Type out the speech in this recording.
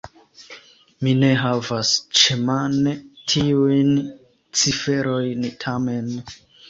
Mi ne havas ĉemane tiujn ciferojn, tamen.